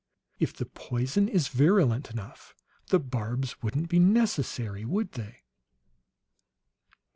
If the poison is virulent enough, the barbs wouldn't be necessary, would they?